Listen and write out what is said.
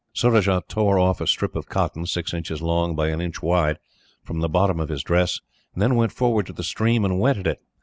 Surajah tore off a strip of cotton, six inches long by an inch wide, from the bottom of his dress, went forward to the stream, and wetted it.